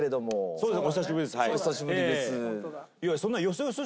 そうですよ。